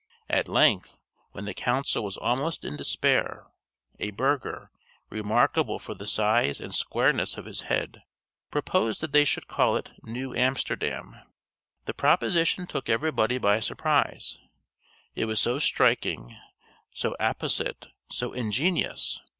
At length, when the council was almost in despair, a burgher, remarkable for the size and squareness of his head, proposed that they should call it New Amsterdam. The proposition took everybody by surprise; it was so striking, so apposite, so ingenious.